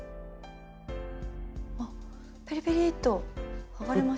あっピリピリッと剥がれましたね。